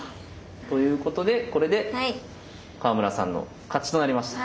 ということでこれで川村さんの勝ちとなりました。